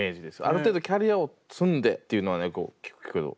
ある程度キャリアを積んでっていうのはね聞くけど。